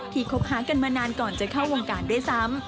คบหากันมานานก่อนจะเข้าวงการด้วยซ้ำ